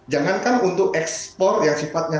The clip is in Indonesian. jangankan untuk ekspor yang sifatnya